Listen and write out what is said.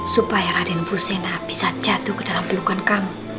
supaya raden pusena bisa jatuh ke dalam pelukan kamu